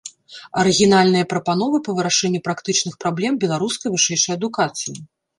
Арыгінальныя прапановы па вырашэнню практычных праблем беларускай вышэйшай адукацыі.